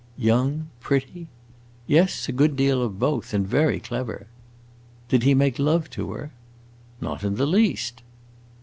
"Young pretty?" "Yes, a good deal of both. And very clever." "Did he make love to her?" "Not in the least."